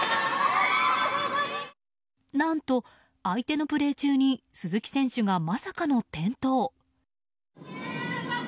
何と、相手のプレー中に鈴木選手がまさかの転倒。